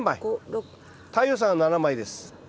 太陽さんは７枚です。